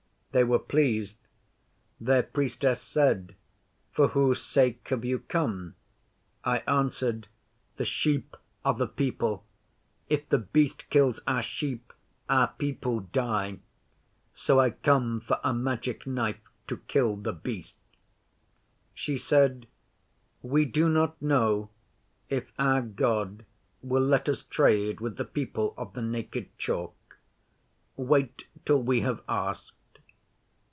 They were pleased. Their Priestess said, "For whose sake have you come?" I answered, "The sheep are the people. If The Beast kills our sheep, our people die. So I come for a Magic Knife to kill The Beast." 'She said, "We do not know if our God will let us trade with the people of the Naked Chalk. Wait till we have asked."